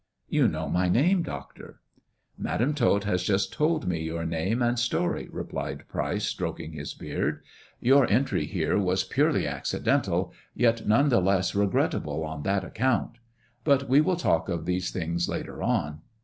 "You know my name, doctor." " Madam Tot has just told me your name and story," replied Pryce, stroking his beard. " Your entry here was purely accidental, yet none the less regrettable on that account. But we will talk of these things later on.